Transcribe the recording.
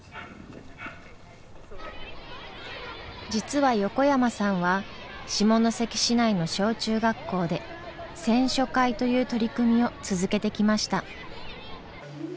実は横山さんは下関市内の小中学校で選書会という取り組みを続けてきました。